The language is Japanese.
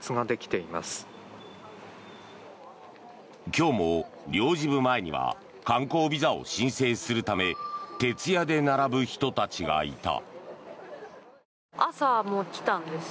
今日も領事部前には観光ビザを申請するため徹夜で並ぶ人たちがいた。